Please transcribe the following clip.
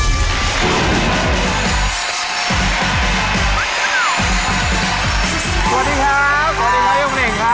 สวัสดีครับสวัสดีครับคุณเน่งครับ